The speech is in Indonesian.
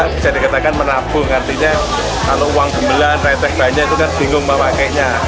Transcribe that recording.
bisa dikatakan menabung artinya kalau uang gembelan retek banyak itu kan bingung mau pakainya